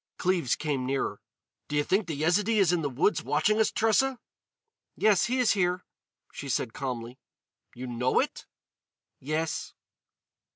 Cleves came nearer: "Do you think the Yezidee is in the woods watching us, Tressa?" "Yes, he is there," she said calmly. "You know it?" "Yes."